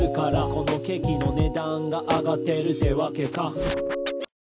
「このケーキの値段があがってるってわけか」